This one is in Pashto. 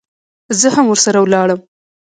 زه هم ورسره ولاړم.